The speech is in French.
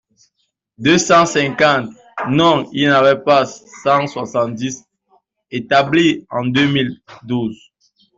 deux cent cinquante ! Non, il y en avait cent soixante-dix établies en deux mille douze.